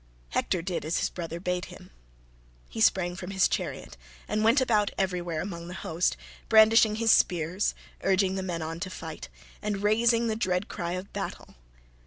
Hector did as his brother bade him. He sprang from his chariot, and went about everywhere among the host, brandishing his spears, urging the men on to fight, and raising the dread cry of battle.